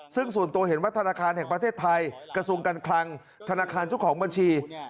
ซึ่งส่วนตัวเห็นว่าธนาคารแห่งประเทศไทยกระทรวงการคลังธนาคารเจ้าของบัญชี